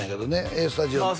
「ＡＳＴＵＤＩＯ＋」のね